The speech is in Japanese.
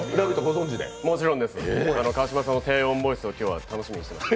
もちろんです、川島さんの低音ボイスを今日は楽しみにしています。